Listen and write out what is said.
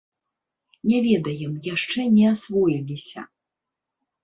Не ведаем, яшчэ не асвоіліся.